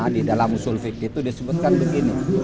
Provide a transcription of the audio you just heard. di dalam usul vip itu disebutkan begini